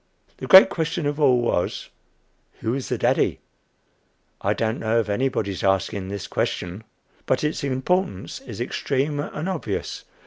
The great question of all was, Who was the daddy? I don't know of anybody's asking this question, but its importance is extreme and obvious.